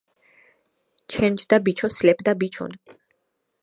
ჩენჯდა ბიჩო სლეფ და ბიჩ ონ